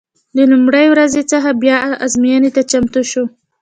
د لومړۍ ورځې څخه باید ازموینې ته چمتو شو.